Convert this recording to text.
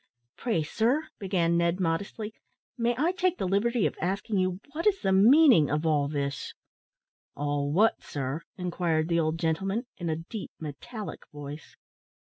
"Pray, sir," began Ned, modestly, "may I take the liberty of asking you what is the meaning of all this?" "All what, sir?" inquired the old gentleman, in a deep metallic voice.